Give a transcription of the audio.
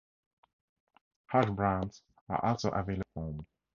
Hash browns are also available in dehydrated form.